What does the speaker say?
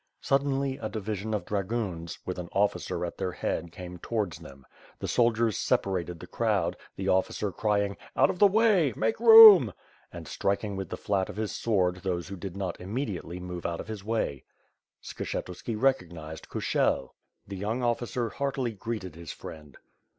Suddenly a division of dragoons, with an officer at their head came towards them. The soldiers separated the crowd, the officer crying, "Out of the way! Make room!" and striking with the flat of his sword those who did not im mediately move out of his way. Skshetuski recognized Kushel. The young officer heartily greeted his friend.